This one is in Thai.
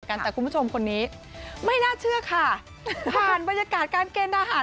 กันแต่คุณผู้ชมคนนี้ไม่น่าเชื่อค่ะผ่านบรรยากาศการเกณฑ์ทหาร